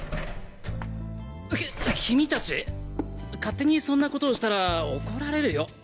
き君達勝手にそんな事をしたら怒られるよ？